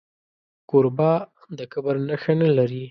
کوربه د کبر نښه نه لري.